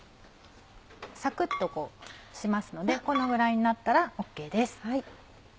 サクっとしますのでこのぐらいになったらＯＫです。